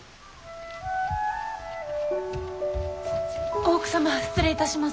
大奥様失礼いたします。